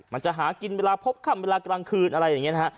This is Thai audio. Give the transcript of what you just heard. มันจะหากินเวลาพบค่ำเวลากลางคืนอะไรอย่างนี้นะฮะ